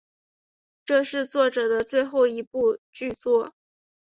这是作者的最后一部剧作。